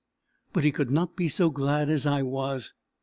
But he could not be so glad as I was.